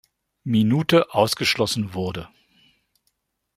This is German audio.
Minute ausgeschlossen wurde.